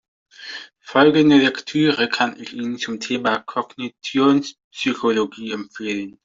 Folgende Lektüre kann ich Ihnen zum Thema Kognitionspsychologie empfehlen.